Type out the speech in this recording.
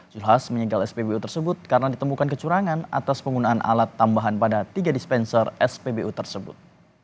zulkifli hasan menyegel spbu tersebut karena ditemukan kecurangan atas penggunaan alat tambahan pada tiga dispenser spbu tersebut